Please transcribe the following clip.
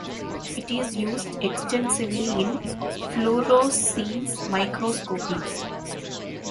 It is used extensively in fluorescence microscopy.